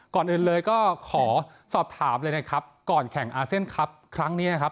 ก่อนอื่นเลยก็ขอสอบถามเลยนะครับก่อนแข่งอาเซียนครับครั้งนี้นะครับ